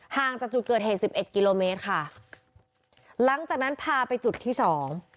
ห่างจากจุดเกิดเหตุสิบเอ็ดกิโลเมตรค่ะหลังจากนั้นพาไปจุดที่สอง